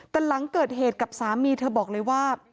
แต่หลังเกิดเหตุกับสามีเธอบอกเลยว่า